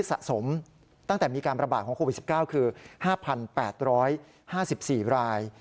สะสมตั้งแต่มีการประบาดของโควิด๑๙คือ๕๘๕๔ราย